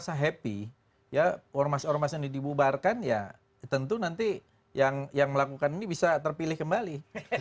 kalau masyarakat merasa happy ya ormas ormas yang dibubarkan ya tentu nanti yang melakukan ini bisa terpilih kembali